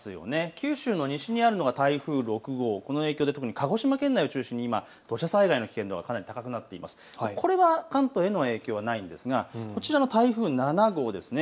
九州の西にあるのが台風６号の影響で特に鹿児島県内を中心に土砂災害の危険度がかなり高くなっていますが関東への影響はないんですが台風７号です。